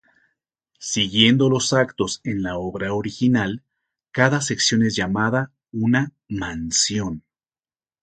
Siguiendo los actos en la obra original, cada sección es llamada una 'mansión'.